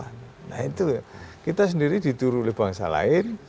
nah itu kita sendiri dituruli bangsa lain